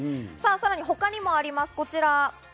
さらに他にもあります、こちら。